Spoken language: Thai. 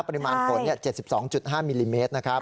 ปริมาณฝน๗๒๕มิลลิเมตรนะครับ